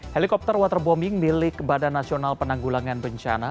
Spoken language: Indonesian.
helikopter waterbombing milik badan nasional penanggulangan bencana